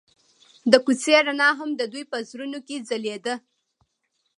د کوڅه رڼا هم د دوی په زړونو کې ځلېده.